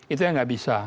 itu yang enggak bisa